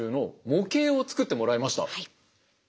はい。